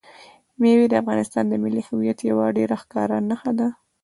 مېوې د افغانستان د ملي هویت یوه ډېره ښکاره نښه ده.